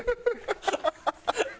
ハハハハ！